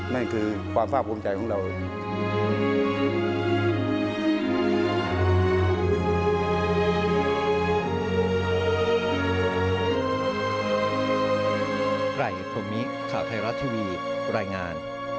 นั่นคือความภาคภูมิใจของเรา